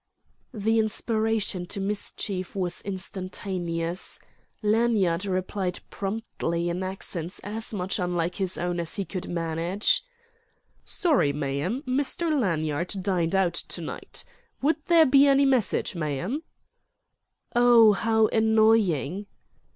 The inspiration to mischief was instantaneous: Lanyard replied promptly in accents as much unlike his own as he could manage: "Sorry, ma'am; Mister Lanyard dined hout to night. Would there be any message, ma'am?" "Oh, how annoying!"